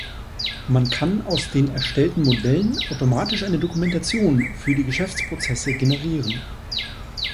Man kann aus den erstellten Modellen automatisch eine Dokumentation für die Geschäftsprozesse generieren.